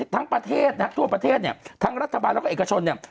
ทั้งประเทศนะฮะทั่วประเทศเนี่ยทั้งรัฐบาลแล้วก็เอกชนเนี่ย